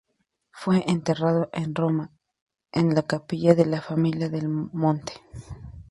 Fue enterrado en Roma, en la capilla de la familia Del Monte.